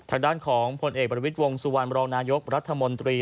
ทางด้านของผลเอกประวิทย์วงสุวรรณรองนายกรัฐมนตรี